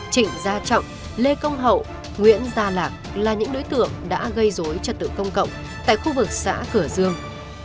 trịnh gia trọng lê công hậu nguyễn gia lạc là những đối tượng đã gây dối trật tự công cộng tại khu vực xã cửa dương